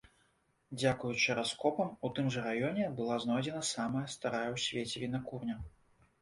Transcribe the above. Дзякуючы раскопам у тым жа раёне была знойдзена самая старая ў свеце вінакурня.